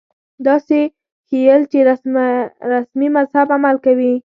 داسې ښييل چې رسمي مذهب عمل کوي